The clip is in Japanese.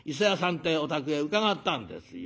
ってえお宅へ伺ったんですよ。